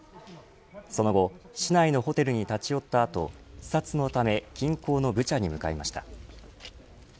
その後、市内のホテルに立ち寄ったあと視察のため近郊のブチャに向かいました。